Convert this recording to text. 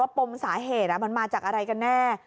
ปมสาเหตุมันมาจากอะไรกันแน่